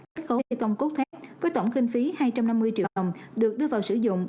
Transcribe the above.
kết cấu bê tông cốt thép với tổng kinh phí hai trăm năm mươi triệu đồng được đưa vào sử dụng